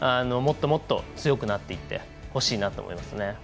もっともっと強くなっていってほしいなと思いますね。